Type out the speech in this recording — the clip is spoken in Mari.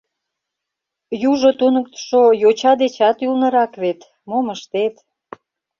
Южо туныктышо йоча дечат ӱлнырак вет, мом ыштет?